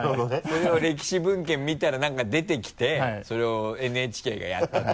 それを歴史文献見たら何か出てきてそれをＮＨＫがやったと。